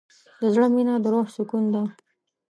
د زړه مینه د روح سکون ده.